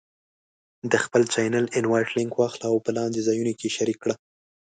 د خپل چینل Invite Link واخله او په لاندې ځایونو کې یې شریک کړه: